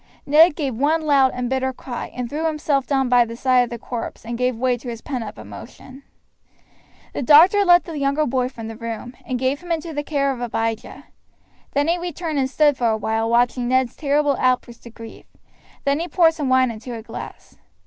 Ned gave one loud and bitter cry, and threw himself down by the side of the corpse, and gave way to his pent up emotion. The doctor led the younger boy from the room, and gave him into the care of Abijah. Then he returned and stood for awhile watching Ned's terrible outburst of grief; then he poured some wine into a glass.